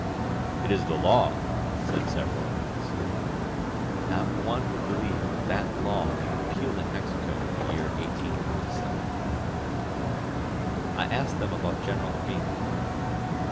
"It is the law," said several at once. And not one would believe that that law was re pealed in Mexico in the year 1857! I asked them about Greneral Urbina.